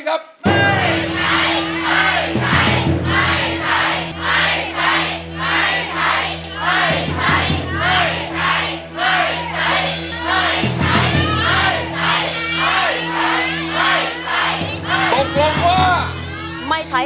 ไม่ใช้